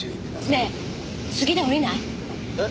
ねえ次で降りない？えっ？